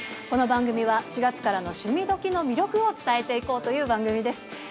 この番組は４月からの「趣味どきっ！」の魅力を伝えていこうという番組です。